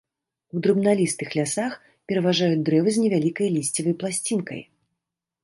У драбналістых лясах пераважаюць дрэвы з невялікай лісцевай пласцінкай.